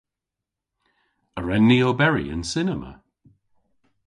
A wren ni oberi yn cinema?